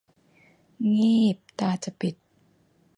งีบ ตาจะปิด